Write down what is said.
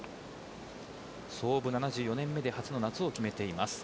創部７４年目で初の夏を決めています。